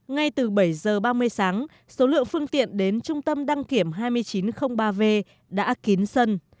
ngay từ bảy h ba mươi sáng số lượng phương tiện đến trung tâm đăng kiểm hai nghìn chín trăm linh ba v đã kín sân